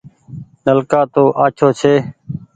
نلڪآ تو آڇو ڇي ۔